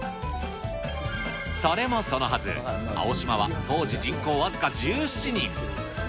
それもそのはず、青島は当時人口僅か１７人。